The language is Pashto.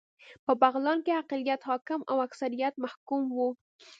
په بغلان کې اقلیت حاکم او اکثریت محکوم و